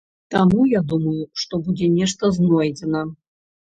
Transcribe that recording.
Таму я думаю, што будзе нешта знойдзена.